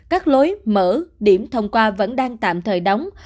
các lối mở điểm thông qua vẫn đang tạm thời đóng